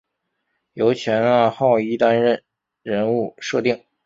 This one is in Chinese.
由前纳浩一担任人物设定。